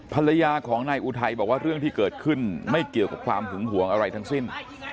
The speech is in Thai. ภรรยาของนายอุทัยบอกว่าเรื่องที่เกิดขึ้นไม่เกี่ยวกับความหึงหวงอะไรทั้งสิ้น